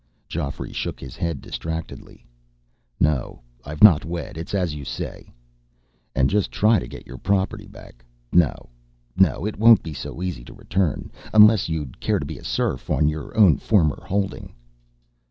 Geoffrey shook his head distractedly. "No. I've not wed. It's as you say." "And just try to get your property back. No no, it won't be so easy to return. Unless you'd care to be a serf on your own former holding?"